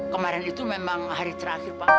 kemarin itu memang hari terakhir pak